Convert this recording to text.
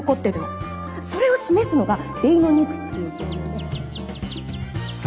それを示すのがデイノニクスっていう恐竜で。